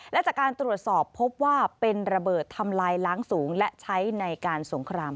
และจากการตรวจสอบพบว่าเป็นระเบิดทำลายล้างสูงและใช้ในการสงคราม